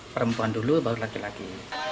perempuan dulu baru laki laki